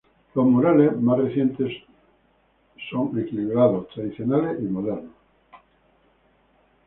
Los murales más recientes son equilibrados, tradicionales y modernos.